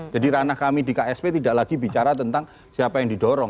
jadi ranah kami di ksp tidak lagi bicara tentang siapa yang didorong